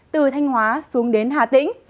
từ thanh hóa xuống đến hà tĩnh